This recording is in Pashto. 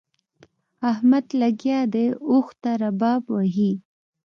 احمد لګيا دی؛ اوښ ته رباب وهي.